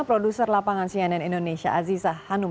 produser lapangan cnn indonesia aziza hanum